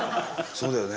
そうだよね。